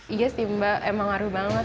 iya sih mbak emang ngaruh banget